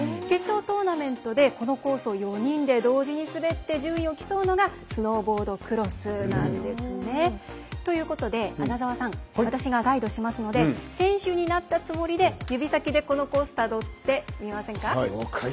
決勝トーナメントでこのコースを４人同時に滑って順位を競うのがスノーボードクロスなんですね。ということで、穴澤さん私がガイドしますので選手になったつもりで指先でこのコースたどってみませんか。